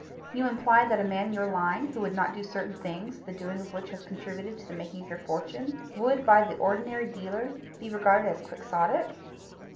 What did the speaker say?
"You imply that a man in your line who would not do certain things the doing of which has contributed to the making of your fortune, would by the ordinary dealer be regarded as Quixotic?"